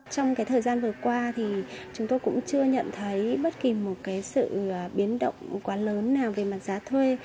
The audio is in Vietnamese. trong thời gian vừa qua thì chúng tôi cũng chưa nhận thấy bất kỳ một cái sự biến động quá lớn nào về mặt giá thuê